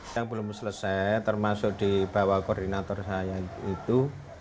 yang belum selesai termasuk di bawah koordinator saya itu